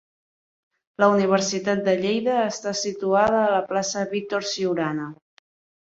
La Universitat de Lleida està situada a la Plaça Víctor Siurana.